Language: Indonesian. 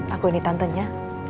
aku ini tantenya